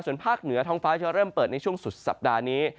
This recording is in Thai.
ส่วนภาคเหนือท้องฟ้าจะเริ่มเปิดในช่วงสุดสัปดาห์นี้